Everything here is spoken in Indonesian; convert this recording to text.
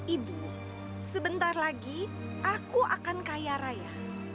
ibu sebentar lagi aku akan kaya raya